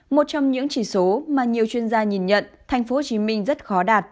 một trong những chỉ số mà nhiều chuyên gia nhìn nhận tp hcm rất khó đạt